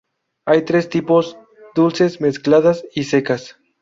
Hay tres tipos: dulces, mezcladas y secas.